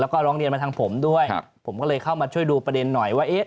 แล้วก็ร้องเรียนมาทางผมด้วยครับผมก็เลยเข้ามาช่วยดูประเด็นหน่อยว่าเอ๊ะ